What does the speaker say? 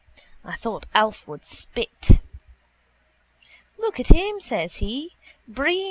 I thought Alf would split. —Look at him, says he. Breen.